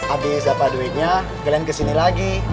abis apa duitnya kalian kesini lagi